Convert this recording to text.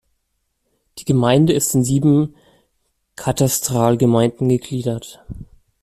Die Gemeinde ist in sieben Katastralgemeinden gegliedert.